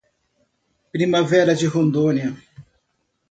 Primavera de Rondônia